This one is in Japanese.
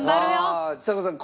さあちさ子さん